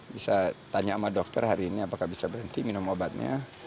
bisa tanya sama dokter hari ini apakah bisa berhenti minum obatnya